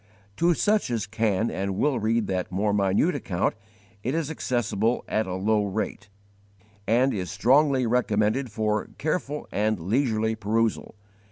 To such as can and will read that more minute account it is accessible at a low rate,* and is strongly recommended for careful and leisurely perusal.